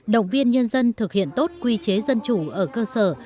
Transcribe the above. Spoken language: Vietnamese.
động viên nhân dân thực hiện tốt quy chế dân chủ ở cơ sở